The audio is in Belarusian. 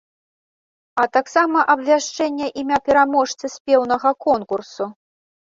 А таксама абвяшчэнне імя пераможцы спеўнага конкурсу.